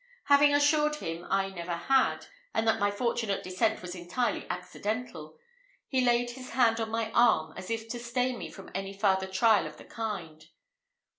Having assured him I never had, and that my fortunate descent was entirely accidental, he laid his hand on my arm, as if to stay me from any farther trial of the kind.